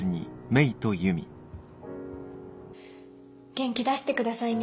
元気出してくださいね。